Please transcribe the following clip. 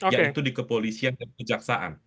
yaitu di kepolisian dan kejaksaan